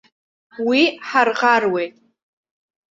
Уи ҳарӷаруеит.